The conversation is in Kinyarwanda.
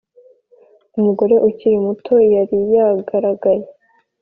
umugore ukiri muto yari yagaragaye